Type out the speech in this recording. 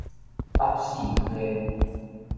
北勢溪